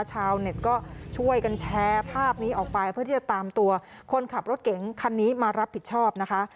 ชาวเน็ตก็ช่วยกันแชร์ภาพนี้ออกไปเพื่อที่จะตามตัวคนขับรถเก๋งคันนี้มารับผิดชอบนะคะ